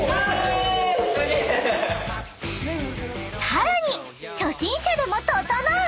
［さらに初心者でもととのう！］